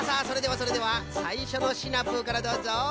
それではそれではさいしょのシナプーからどうぞ。